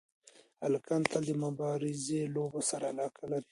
هلکان تل د مبارزې لوبو سره علاقه لري.